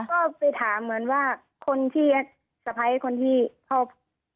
ก็ไปถามเหมือนว่าคนที่สะพ้ายคนที่เขา